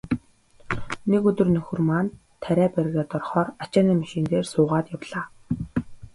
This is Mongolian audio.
Нэг өдөр нөхөр маань тариа бригад орохоор ачааны машин дээр суугаад явлаа.